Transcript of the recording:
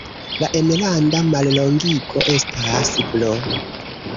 La enlanda mallongigo estas Br.